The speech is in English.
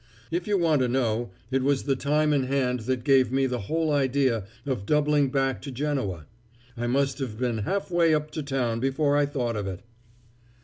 If you want to know, it was the time in hand that gave me the whole idea of doubling back to Genoa; I must have been half way up to town before I thought of it!"